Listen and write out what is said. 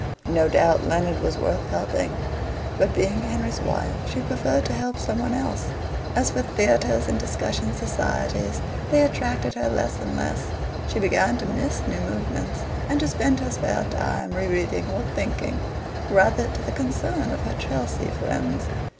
No doubt Leonard was worth helping, but being Henry's wife, she preferred to help someone else. As for theatres and discussion societies, they attracted her less and less. She began to "miss" new movements, and to spend her spare time re reading or thinking, rather to the concern of her Chelsea friends.